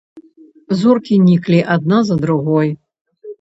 Зоркі ніклі адна за другой.